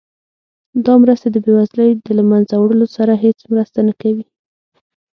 دا مرستې د بیوزلۍ د له مینځه وړلو سره هیڅ مرسته نه کوي.